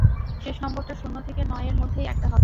শেষ নম্বরটা শূন্য থেকে নয় এর মধ্যেই একটা হবে।